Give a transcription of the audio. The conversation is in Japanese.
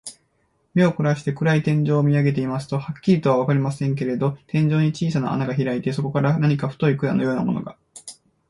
目をこらして、暗い天井を見あげていますと、はっきりとはわかりませんけれど、天井に小さな穴がひらいて、そこから何か太い管のようなものが、